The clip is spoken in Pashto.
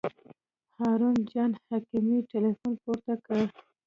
هارون جان حکیمي تیلفون پورته کړ.